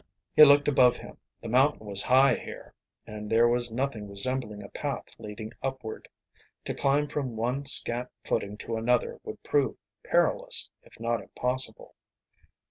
He looked above him. The mountain was high here, and there was nothing resembling a path leading upward. To climb from one scant footing to another would prove perilous, if not impossible.